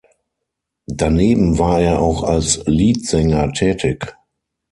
Daneben war er auch als Liedsänger tätig.